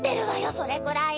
それくらい。